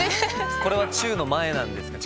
これはチュウの前なんですか？